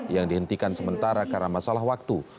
yang dihentikan sementara karena masalah waktu